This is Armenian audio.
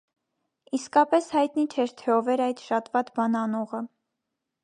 Իսկապես հայտնի չէր, թե ով էր այդ շատ վատ բան անողը.